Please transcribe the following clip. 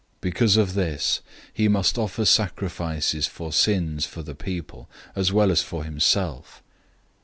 005:003 Because of this, he must offer sacrifices for sins for the people, as well as for himself.